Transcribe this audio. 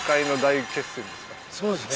そうですね。